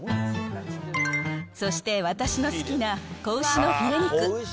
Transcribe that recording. そして、私の好きな子牛のフィレ肉。